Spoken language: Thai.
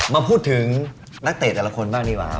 มาพูดถึงนักเตะแต่ละคนบ้างดีกว่าครับ